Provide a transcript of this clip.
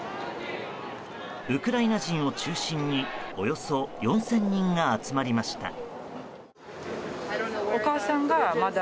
ウクライナ人を中心におよそ４０００人が集まりました。